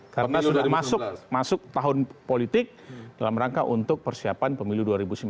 karena sudah masuk tahun politik dalam rangka untuk persiapan pemiliu dua ribu sembilan belas